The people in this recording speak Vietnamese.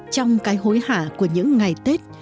trong cái hối hả của những ngày tết